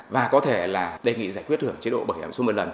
và có thể là đề nghị giải quyết hưởng chế độ bảo hiểm xã hội một lần